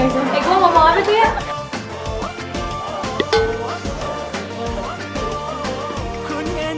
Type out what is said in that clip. eh gue ngomong aja tuh ya